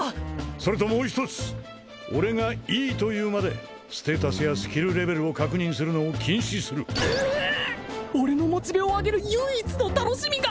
それともう一つ俺がいいと言うまでステータスやスキルレベルを確認するのを禁止する俺のモチベを上げる唯一の楽しみが！